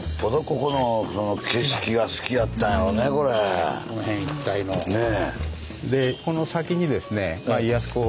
この辺一帯の。ねぇ。